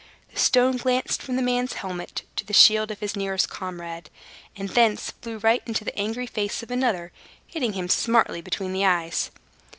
The stone glanced from this man's helmet to the shield of his nearest comrade, and thence flew right into the angry face of another, hitting him smartly between the eyes.